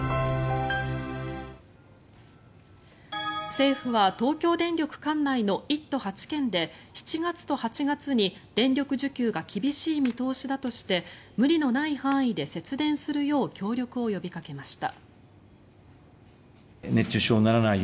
政府は東京電力管内の１都８県で７月と８月に電力需給が厳しい見通しだとして無理のない範囲で節電するよう協力を呼びかけました。